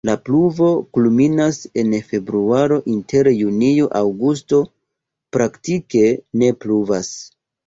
La pluvo kulminas en februaro, inter junio-aŭgusto praktike ne pluvas.